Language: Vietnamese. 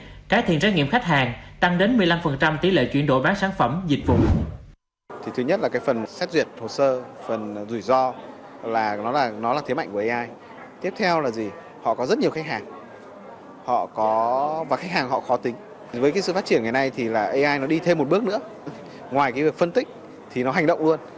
trái thiện trái nghiệm khách hàng tăng đến một mươi năm tỷ lệ chuyển đổi bán sản phẩm dịch vụ